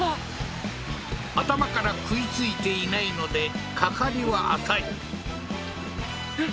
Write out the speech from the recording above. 頭から食いついていないので掛かりは浅いえっ